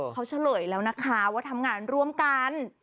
เขาเฉลยแล้วนะคะว่าทำงานร่วมกัน